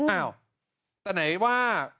อ้าวแต่ไหนว่า